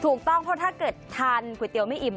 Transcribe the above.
ถูกต้องเพราะถ้าเกิดทานก๋วยเตี๋ยวไม่อิ่ม